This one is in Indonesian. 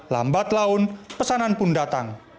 lambat laun pesanan pun datang